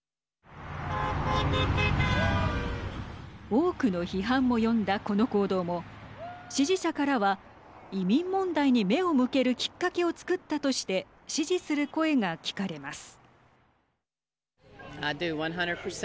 多くの批判も呼んだこの行動も支持者からは移民問題に目を向けるきっかけを作ったとして支持する声が聞かれます。